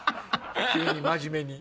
急に真面目に。